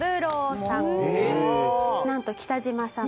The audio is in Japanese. なんと北島さん